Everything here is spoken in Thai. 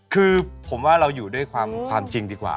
คือผมว่าเราอยู่ด้วยความจริงดีกว่า